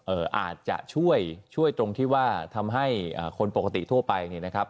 อาจจะช่วยช่วยตรงที่ว่าทำให้อ่าคนปกติทั่วไปเนี่ยนะครับ